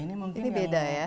ini beda ya